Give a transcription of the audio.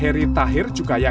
tersebut akan menangis